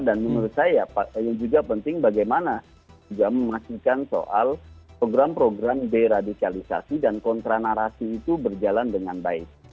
dan menurut saya yang juga penting bagaimana juga memastikan soal program program deradikalisasi dan kontranarasi itu berjalan dengan baik